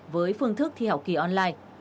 với phương thức thi học kỳ online